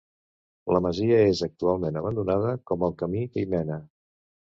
La masia és actualment abandonada, com el camí que hi mena.